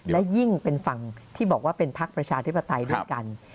และยิ่งเป็นฝั่งที่บอกว่าเป็นพักประชาธิปไตยด้วยกัน